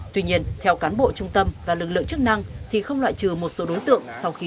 tuy nhiên theo cán bộ trung tâm và lực lượng chức năng thì không loại trừ một số đối tượng sau khi